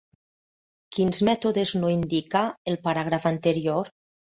Quins mètodes no indica el paràgraf anterior?